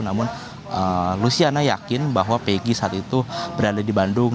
namun luciana yakin bahwa peggy saat itu berada di bandung